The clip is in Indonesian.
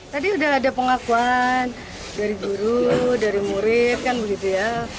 tadi sudah ada pengakuan dari guru dari murid kan begitu ya